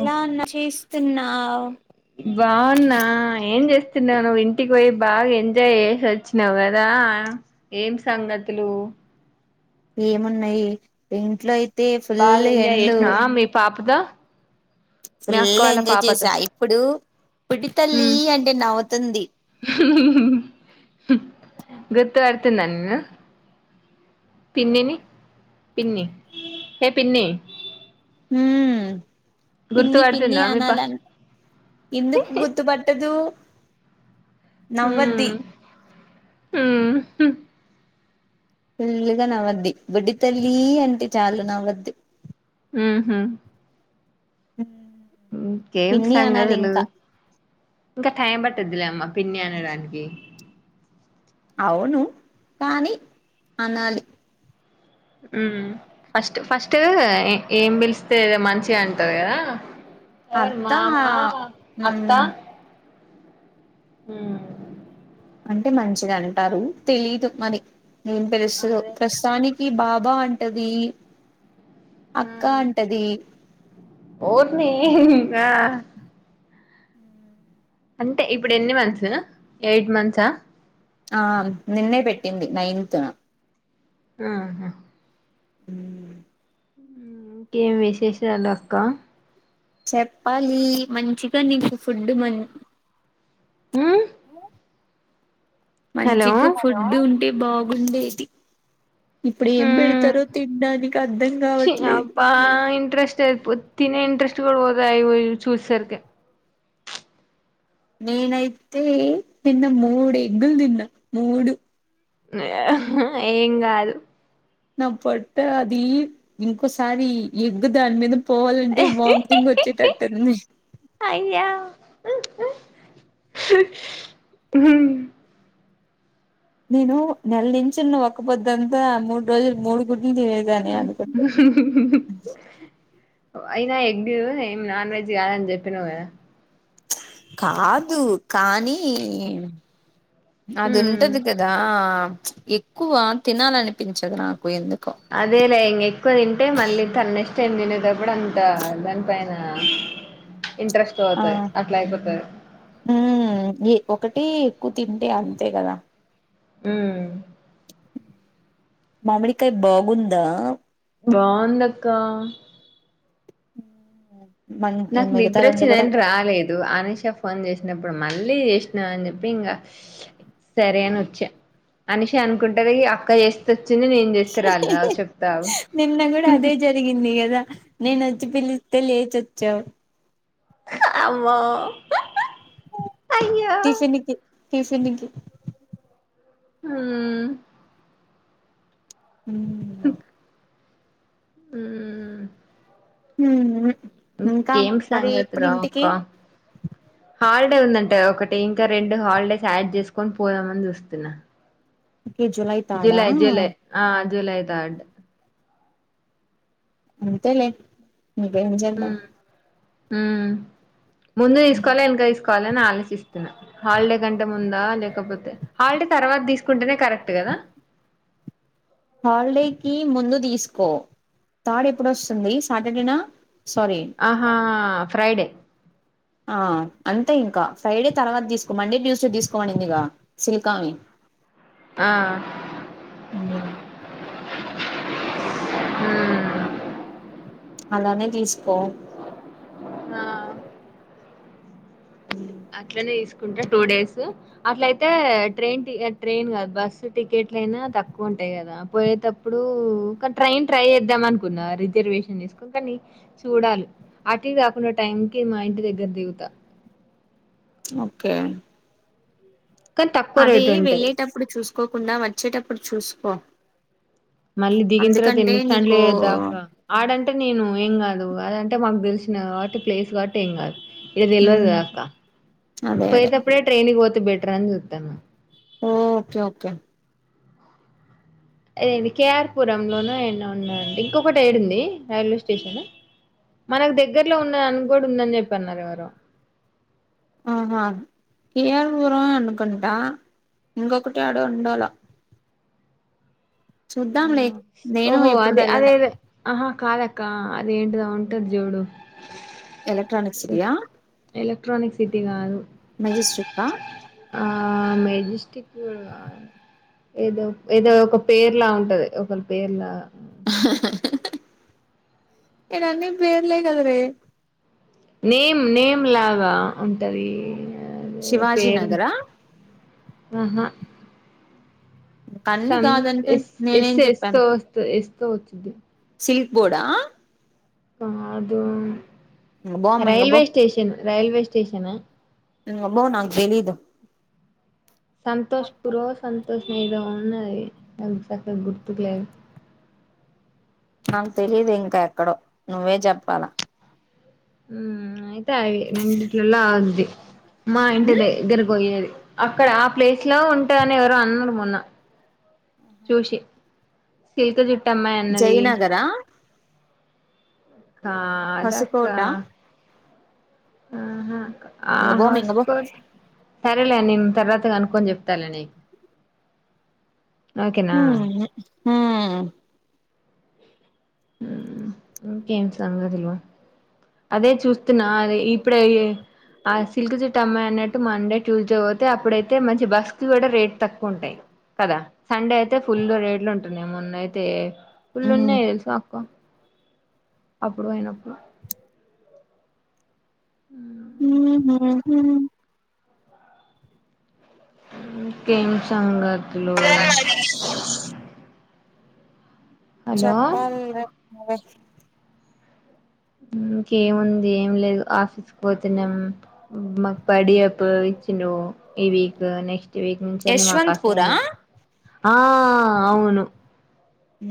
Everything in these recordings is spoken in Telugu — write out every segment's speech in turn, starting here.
ఎలా అన్నా చేస్తున్నావ్ బాగున్నా ఏం చేస్ తున్నాను ఇంటికి పోయి బాగా ఎంజాయ్ చేసి వచ్చినావు కదా ఏంటి సంగతులు ఏమున్నాయి ఇంట్లో బాగా ఫుల్ ఎంజాయ్ ఎండ్లు చేసినవ మీ పాపతో మీ అక్క ఫుల్ వాళ్ళ ఎంజాయ్ పాపతో చేసా ఇప్పుడు బుడ్డి తల్లి అంటే నవ్వుతుంది గుర్తుపడుతుందా నేన్ను పిన్నిని పిన్ని ఏ పిన్ని మ్ గుర్తు పిన్ని పిన్ని పడుతుందా మీ పా అనలా అన్ ఎందుకు గుర్తుపట్టదు ఉమ్ నవ్వుద్ది ఉమ్ ఫుల్లుగా నవ్వద్ది బుడ్డి తల్లి అంటే చాలుా నవ్వద్దు మ్ హు మ్ ఇంకేం సంగతులు ఇంకా టైం పట్టదిలే మ్మ పిన్ని అనడానికి అవును కానీ అనాలి మ్ ఫస్ట్ ఫస్ట్ ఏం పిలిస్తేదద్ మంచిదంటంది కదా ఎ అత్త మామా అత్తా హ్మ్ ఆ అంటే మంచిదంటారు తెలీదు మరి ఎం పిలుస్తదో ప్రస్తుతానిక్ ఈ బాబా అంటది ఆ అక్క అంటది నెం ఆ అంటే ఇప్పుడు ఎన్ని మంత్స్ ఎయిట్ మంత్సా ఆ నిన్నే పెట్టింది నైన్త్న ఆ హ మ్ ఇంకేం విశేషాలు అక్క చెప్పాలి మంచిగా నీకు ఫుడ్ మన్ మ్ మంచిగ ఫుడ్ ఉంటే బాగుండేది. ఇప్పుడు ఏం ఉమ్ పెడ్తారో తిన్డానికి అర్ధం కావట్లేదు. ఇంట్రెస్టే పో తినే ఇంట్రెస్ట్ గుడ పోతది ఇగో ఇది చూసే సరికి నేనైతే నిన్న మూడు ఎగ్గుల్ తిన్న మూడు ఏం కాదు. నా పొట్ట అది ఇంకోసారి ఎగ్ దాని మీద పోవాలంటే వామిటింగ్ వచ్చేటట్టుంది. అయ్యా నేను నెల నించిన్న ఒక్కపొద్దంతా మూడు రోజులు మూడు గుడ్లు తినేదనే అనుకుంటర్ అయినా ఎగ్ ఏం నాన్ వెజ్ కాదని చెప్పినవ్ గదా కాదు కానీ హ్మ్ అందుంటది కదా ఎక్కువ తినాలనిపించదు నాకు ఎందు అదేలే ఇంగ ఎక్కువ తింటే మళ్ళీ తన్నే చెందినటప్పుడు అంత దాన్ పైనా ఆ మ్ ఈ ఒకటీ కు తింటే అంతే కదా మ్ మామడికాయ బాగుందా? బాగుందక్కా. మన్ నాక్ మిగతా నిద్ర రెండు కూడా వచ్చిందని రాలేదు అనిషా ఫోన్ చేసినప్పుడు మళ్ళీ చేసినవ్ అన్ చెప్పి ఇంగ సరే అని వచ్చా. అనిష అనుకుంటది అక్క చేస్తే వచ్చింది నేను చేస్తే రాలేదు ఆగు చెప్తా ఆగు నిన్న గుడా అదే జరిగింది గదా నేనొచ్చి పిలిస్తే లేచొచ్చావు. అమ్మో అయ్యో టిఫిన్కి టిఫిన్కి మ్ హ్ మ్ హ్మ్ ఇంకేం సంగతులు అక్కా హాల్ ఒకటే ఉందంట ఒకటి ఇంకా రెండు హాల్డేస్ యాడ్ చేస్కొన్ పోదామన్ చూస్తున్నా. ఓకే తాడా జులై జూలై ఆ జూలై థర్డ్ అంతలే ఇంకేం చేద్దాం. ఉమ్ ముందు తీస్కోవాల ఎనక తీస్కోవాల అన్ ఆలోచిస్తున్నా హాల్డే కంటే ముం ఉందా లేకపోతే హాల్డే తర్వాత తీసుకుంటేనే కరెక్ట్ కదా హాల్డేకిి ముందు తీస్కో థర్డ్ ఎప్పుడొస్తుంది సాటర్డేనా? సారీ ఆహా ఫ్రైడే ఆ అంతే ఇంకా ఫ్రైడే తర్వాత తీసుకో మండే ట్యూస్డే తీసుకోమడిందిక సిల్కావి ఆ ఉ అలానే తీసుకో ఆ అట్లనే తీసుకుంటా టూ డేస్ అట్లయితే ట్రైన్ ట్రైన్ కాదు బస్సు టికెట్ ఎట్లనా తక్కువ ఉంటాయి కదా పోయేటప్పుడు కానీ ట్రైన్ ట్రై చేద్దాం అనుకున్న రిజర్వేషన్ ని చూడాలి అటివి కాకుండా టైంకి మా ఇంటి దగ్గర దిగుతా ఓకే కానీ తక్కువ అదే రేటు ఉంటది వెళ్ళేటప్పుడు చూసుకోకుండా వచ్చేటప్పుడు చూసుకో మళ్ళీ దిగిన తర్వాత అందుకంటే ఎన్ని ఇష్టాండ్లే నీకు ఆడంట అంటే నేను ఏం కాదు అది అంటే మాకు తెలిసిన కాబట్టి ప్లేస్ కాబట్టి ఏం కాదు నీకు తెల్వదు ఉమ్ ఆ అక్క అదే అదే పోయేటప్పుడే ట్రైన్కి పోతే బెటర్ అని చూతాను ఓ ఓకే ఓకే అదేండి కేఆర్పుర లోన ఎన్న ఉన్నాండి ఇంకొకటి ఏడు ఉంది రైల్వే స్టేషన్ మనకు దగ్గరలో ఉన్నద అని కూడా ఉందని చెప్పన్నారు ఎవరు ఆహా కేర్పురమే అనుకున్ంటా ఇంకొకటి ఆడ ఉండాల చూద్దాంలే నేను ఓహో ఎప్పుడు అదే వెళ్ళలే అదేద ఆహా కాదక్క అద ఏంటిదో ఉంటుంది జుడు ఎలక్ట్రానిక్ సిటీ ఎలక్ట్రానిక్ సిటీ కాదు మజిస్ట్రెట్ ఆ ఆ మెజెస్టిక్ కాదు ఏదో ఏదో ఒక పేర్ల ఉంటు ఉంటది ఒక పేరు లాగా ఇక్కడ అన్ని పేర్లే కాదవే నేమ్ నేమ్ లాగా ఉంటది అదే శివాజీ పేరు నగరా ఆహా క అన్ని సం కాదంటే ఎస్ నేనేం ఎస్ ఎస్ చెప్పాను తో వస్తు ఎస్ తో వచ్చిద్ది శ వర్డ్ ఆ కాదు ఇంగ బోమ్మ ఇంగ బో రైల్వే స్టేషన్ రైల్వే స్టేషన అబ్బో నాకే తెలీదు సంతోష్ పుర్ సంతోష్ నయి నహి చక్క గుర్తుకులేదూ నాకు తెలీదు ఇంకా ఎక్కడో నువ్వే చెప్పాలా ఉ ఆయితే రెంటిలలో ఆగితాయ్ మా ఇంటి ఉమ్ దగ్గరకు పోయేది అక్కడ ఆ ప్లేస్ లో ఉంటా అని ఎవరు అన్నారు మొన్న చూసి శిల్తో చిట్టిమయి అన్నది జయనగరా కదా అక్క హసుకోట ఆహ ఇంకా బో ఇంకా బో సరేలే నేను తర్వాత అనుకొని చెప్తాలే నీకు ఓకేనా ఉహు ఉ ఇంకేంటి సంగతులు అదే చూస్తున్నా అదే ఇప్పుడే ఆ సిల్క్ జుట్టు అమ్మాయి అన్నట్టు మండే ట్యూస్డే పోతే అప్పుడైతే మంచి బస్సు కి కూడా రేట్ తక్కువ ఉంటాయి కదా సండే అయితే ఫుల్ రేడ్లు ఉంటన్నాయ్ మొన్న అయితే పుళ్ళు ఉమ్ ఉన్నాయ్ తెలుసా అక్క అప్పుడు అయినప్పుడు హ ఇంకేం సంగతులు హలో చెప్పాల్ర నువ్వే ఇంకేముంది ఏం లేదు ఆఫీస్ కు పోతున్నాము మాకు పడియప్ చ్చిండు ఈ విక్ నెక్స్ స్టే వీక్ నుంచి మాకు అస యశ్వంత్పురా ఆ అవును మ్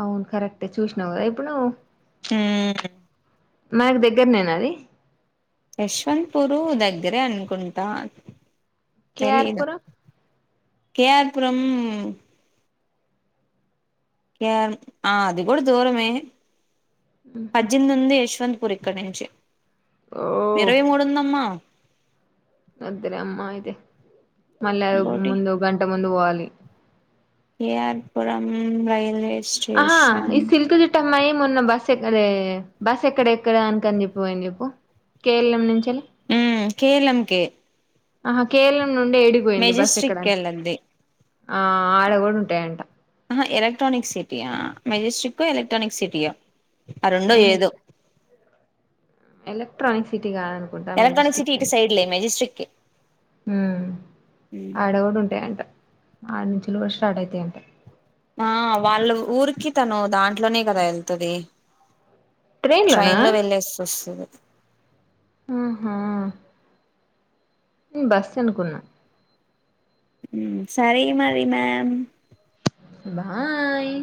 అవును కరెక్టే చూసినావు కదా ఇప్పుడు నువ్వు మ్ మాకు దగ్గర నేనా అది యశ్వంత్ పూరు దగ్గరే అనుకుంటా కేఆర్పుర కేఆర్పురం ఆ అది కూడా దూరమే పద్ద్ెనిమిది ఉంది యశ్వంత్ పుర్ ఇక్కడ నుంచి ఓ ఇరవై మూడు ఉందమ్మా వద్దులేమ్మా అయితే మళ్ళ ఇంకోటి ముందు గంట ముందు పోవాలి కె ఆర్ పురం రైట్ ఆహా ఈ సిల్క్ జుట్టు అమ్మాయి మొన్న బస్ ఎక్కడే బస్ ఎక్కడనికని చెప్పి చెపోయింది చెప్పు కేల్ ఎం నుంచి మ్ కే ఎం ల్ కే ఆహా కేల్ ఎం నుండే ఏడికిపోయింది బస్ ఎక్కడానికి వెళ్ళద్ది ఆ ఆడ కూడా ఉంటాయంట అ హ ఎలక్ట్రనిక్ సిటీయా మెజెస్టిక్ ఎలక్ట్ర్రానిక్ సిటీయో ఆ రెండో ఏహే ఏదో ఎలక్ట్రానిక్ సి ఎలక్ట్రానిక్ సిటీ ఇటు సైడ్లే మజిట్ర్రిట్కి మ్ ఆడ కూడా ఉంటాయంట ఆడ నుంచి కూడా స్టార్ట్ అవుతాయంట ఆ వాళ్ళు ఊరికి తను దాంట్లోనే కదా ఎల్తది ట్రైన్ లో వెళ్ళేసి వస్తది ఆహా నేను బస్ అనుకున్నా సరే మరి మ్యామ్ బాయ్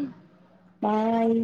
బాయ్